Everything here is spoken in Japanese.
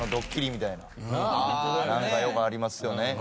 なんかよくありますよね。